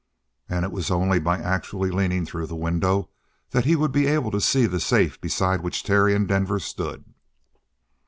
And it was only by actually leaning through the window that he would be able to see the safe beside which Terry and Denver stood.